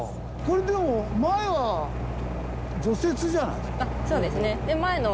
これでも前は除雪じゃない？